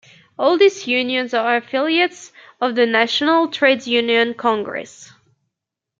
All these unions are affiliates of the National Trades Union Congress.